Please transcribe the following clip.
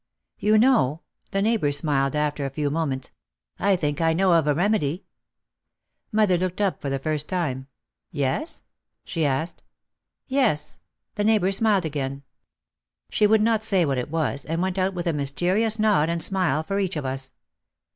"You know," the neighbour smiled after a few mo ments, "I think I know of a remedy." Mother looked up for the first time. "Yes ?" she asked. "Yes," the neighbour smiled again. She would not say what it was and went out with a mysterious nod and smile for each of us.